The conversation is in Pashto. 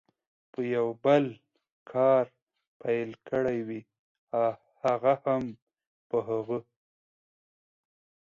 په یو بل کار پیل کړي وي، هغه هم په هغه.